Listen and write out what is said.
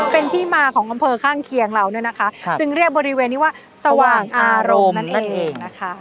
เป็นที่มาของอำเภอข้างเคียงเราเนี่ยนะคะจึงเรียกบริเวณนี้ว่าสว่างอารมณ์นั่นเองนะคะ